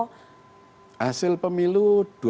hasil pemilu dua ribu sembilan belas